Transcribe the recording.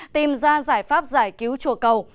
tìm ra giải pháp giải cứu chùa cầu